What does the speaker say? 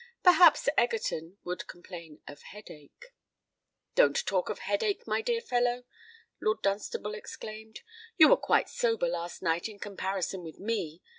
Perhaps Egerton would complain of headach. "Don't talk of headach, my dear fellow," Lord Dunstable exclaimed: "you were quite sober last night in comparison with me.